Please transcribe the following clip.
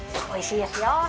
おいしいですよ！